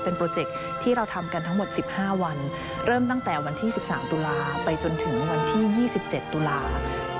เป็นโปรเจ็คที่เราทำกันทั้งหมดสิบห้าวันเริ่มตั้งแต่วันที่สิบสามตุลาคมไปจนถึงวันที่ยี่สิบเจ็ดตุลาคม